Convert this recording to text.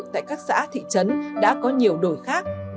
tại các xã thị trấn đã có nhiều đổi khác